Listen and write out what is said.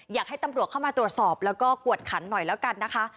อยากให้ตำรวจเข้ามาตรวจสอบแล้วก็กวดขันหน่อยแล้วกันนะคะ